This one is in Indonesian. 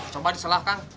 coba diselah kang